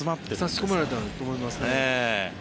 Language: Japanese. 差し込まれたと思いますね。